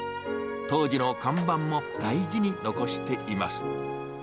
当時の看板も、大事に残しています。